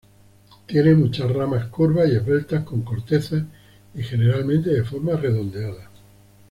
Tiene muchas ramas curvas y esbeltas con corteza y generalmente de forma redondeada.